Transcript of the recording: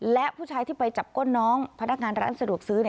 และผู้ชายที่ไปจับก้นน้องพนักงานร้านสะดวกซื้อ